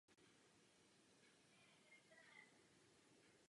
Byl rovněž natočen stejnojmenný animovaný film.